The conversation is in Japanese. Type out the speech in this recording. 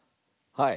はい！